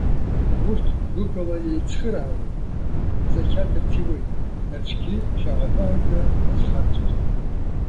Урҭ, гәыкала иеицхыраауеит, рзеқьаҭ рҭииуеит, нарцәгьы хьаҳәа-ԥаҳәада иазхарҵоит.